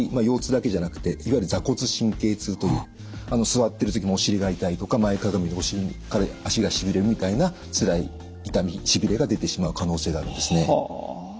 腰痛だけじゃなくていわゆる座骨神経痛という座ってる時もお尻が痛いとか前かがみでお尻から脚がしびれるみたいなつらい痛みしびれが出てしまう可能性があるんですね。